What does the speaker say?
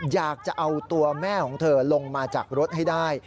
อยากจะเอาตัวแม่ของเธอลงมาจากรถให้ได้